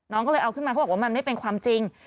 น้องก็เลยเอาขึ้นมาเขาบอกว่ามันไม่เป็นความจริง